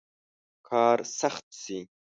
کار سخت شي.